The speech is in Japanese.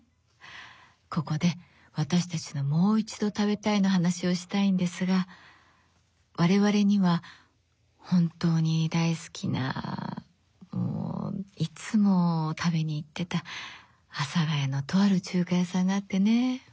ここで私たちのもう一度食べたいの話をしたいんですが我々には本当に大好きないつも食べに行ってた阿佐ヶ谷のとある中華屋さんがあってね。